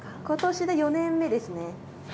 今年で４年目ですね。